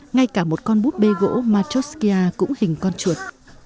ngay cả một con bút bê gỗ matoskia cũng hình con chuột